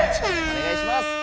おねがいします。